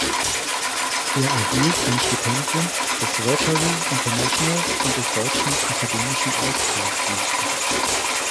Er erhielt ein Stipendium des Rotary International und des Deutschen Akademischen Austauschdienstes.